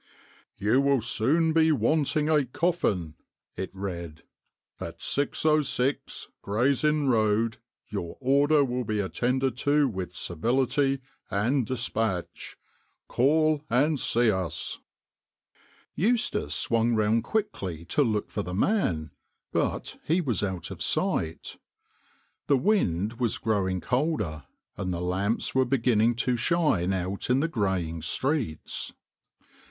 " You will soon be wanting a coffin 1 " it read. " At 606, Gray's Inn Road, your order will be attended to with civility and despatch. Call and see us 1 1 " Eustace swung round quickly to look for the man, but he was out of sight. The wind was growing colder, and the lamps were be ginning to shine out in the greying streets.